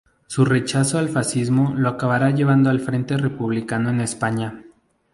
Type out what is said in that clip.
Su rechazo al fascismo lo acabará llevando al frente republicano en España.